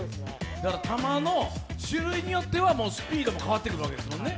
だから球の種類によってはスピードも変わってくるわけですもんね。